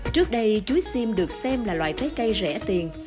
trước đây chuối xiêm được xem là loại trái cây rẻ tiền